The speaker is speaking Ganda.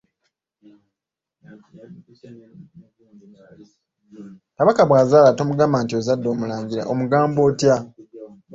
Kabaka bw'azaala tomugamba nti ozadde “omulangira” wabula omugamba otya?